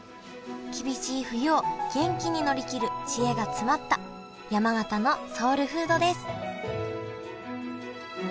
厳しい冬を元気に乗り切る知恵が詰まった山形のソウルフードです